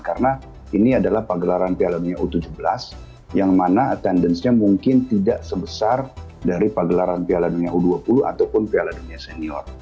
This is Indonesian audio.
karena ini adalah pagelaran piala dunia u tujuh belas yang mana attendance nya mungkin tidak sebesar dari pagelaran piala dunia u dua puluh ataupun piala dunia senior